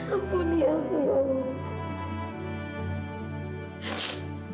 ampuni aku ya allah